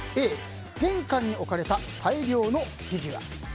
Ａ、玄関に置かれた大量のフィギュア。